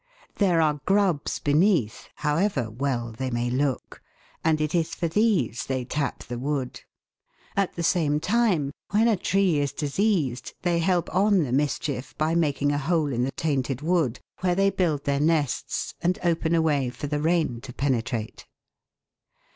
There are grubs beneath, however well they may look, and it is for these they tap the wood. At the same time, when a tree is diseased, they help on the mischief by making a hole in the tainted wood, where they build their nests and open a way for the rain to penetrate.